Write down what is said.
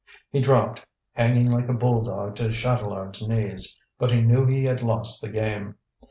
He dropped, hanging like a bulldog to Chatelard's knees, but he knew he had lost the game.